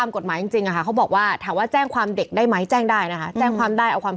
อันนี้เขาแชร์ว่าเกินกว่าเหตุอ่ะ